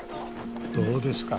どうですか？